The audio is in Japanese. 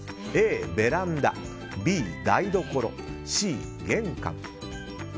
Ａ、ベランダＢ、台所Ｃ、玄関。